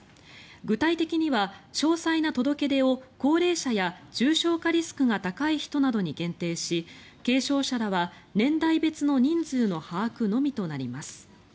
具体的には詳細な届け出を高齢者や重症化リスクが高い人などに限定し軽症者らは年代別の人数の把握のみとなります。